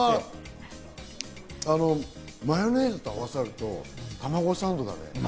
マヨネーズと合わさると卵サンドだね。